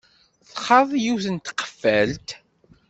Txaḍ yiwet n tqeffalt.